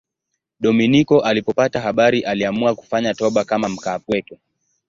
Dominiko alipopata habari aliamua kufanya toba kama mkaapweke.